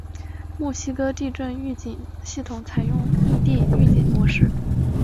墨西哥地震预警系统采用异地预警模式。